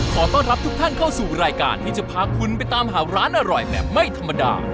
ขอต้อนรับทุกท่านเข้าสู่รายการที่จะพาคุณไปตามหาร้านอร่อยแบบไม่ธรรมดา